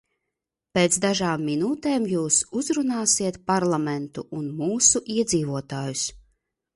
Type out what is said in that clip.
Pēc dažām minūtēm jūs uzrunāsiet Parlamentu un mūsu iedzīvotājus.